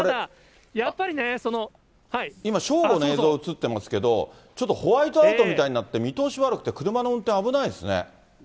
けれ今、正午の映像映ってますけれども、ちょっとホワイトアウトみたいになって、見通し悪くて車の運転危ないですね。